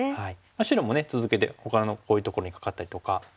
白もね続けてほかのこういうところにカカったりとか。